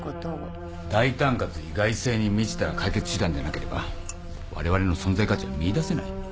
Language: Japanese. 大胆かつ意外性に満ちた解決手段でなければわれわれの存在価値は見いだせない